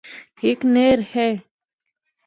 ہک نہر ہے۔